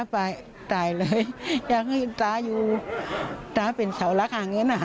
ก็อยากตายเลยอยากให้ตายอยู่ตายเป็นเสาระคางเหี้ยนอะ